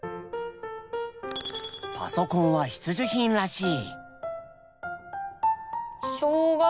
パソコンは必需品らしい。